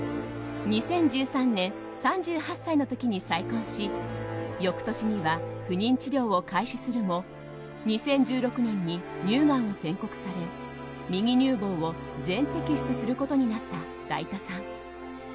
２０１３年、３８歳の時に再婚し翌年には不妊治療を開始するも２０１６年に乳がんを宣告され右乳房を全摘出することになっただいたさん。